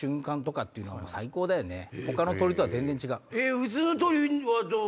他の鳥とは全然違う。